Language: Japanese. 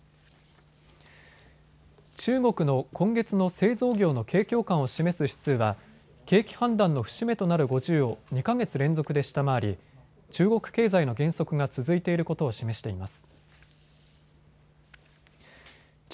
中国の今月の製造業の景況感を示す指数は景気判断の節目となる５０を２か月連続で下回り中国経済の減速が続いていることを示しています。